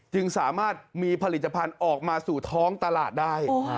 จึงสามารถมีผลิตภัณฑ์ออกมาสู่ท้องตลาดได้